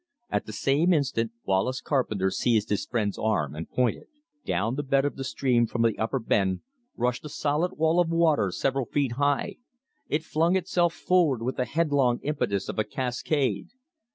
At the same instant Wallace Carpenter seized his friend's arm and pointed. Down the bed of the stream from the upper bend rushed a solid wall of water several feet high. It flung itself forward with the headlong impetus of a cascade.